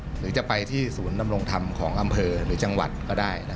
หรือจะไปที่ศูนย์ดำรงธรรมของอำเภอหรือจังหวัดก็ได้